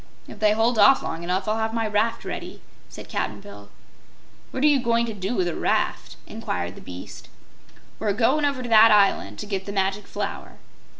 "If they hold off long enough, I'll have my raft ready," said Cap'n Bill. "What are you going to do with a raft?" inquired the beast. "We're goin' over to that island, to get the Magic Flower."